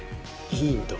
「いいんだ」